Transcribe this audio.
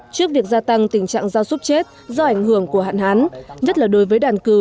trước việc gia tăng tình trạng gia súc chết do ảnh hưởng của hạn hán nhất là đối với đàn cừu